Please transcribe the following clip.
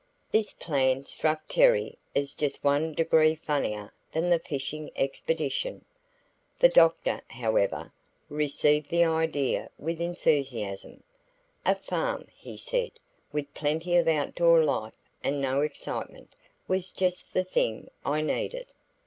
This plan struck Terry as just one degree funnier than the fishing expedition. The doctor, however, received the idea with enthusiasm. A farm, he said, with plenty of outdoor life and no excitement, was just the thing I needed.